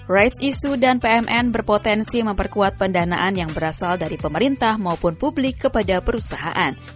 ride issue dan pmn berpotensi memperkuat pendanaan yang berasal dari pemerintah maupun publik kepada perusahaan